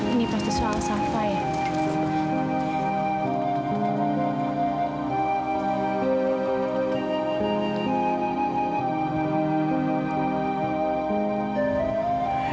ini pasti soal sampah ya